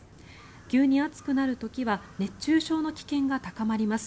急に暑くなる時は熱中症の危険が高まります。